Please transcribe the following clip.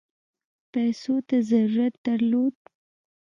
پیسو ته ضرورت درلود.